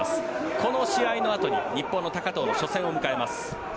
この試合のあとに日本の高藤の初戦を迎えます。